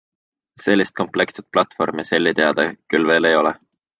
Sellist komplektset platvormi Selli teada kuskil veel ei ole.